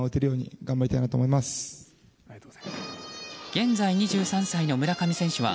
現在２３歳の村上選手は